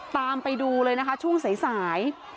ตามไปดูเลยนะคะช่วงสาย